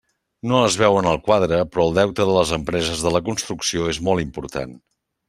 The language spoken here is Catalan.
No es veu en el quadre, però el deute de les empreses de la construcció és molt important.